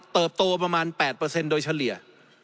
เติบโตประมาณ๘โดยเฉลี่ย